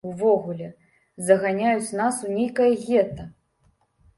Увогуле, заганяюць нас у нейкае гета!